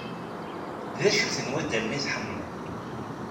D acu ten waddalen ay tḥemmleḍ?